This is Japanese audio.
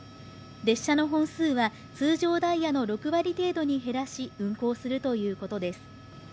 列車の本数は通常ダイヤの６割程度に減らし運行するということです。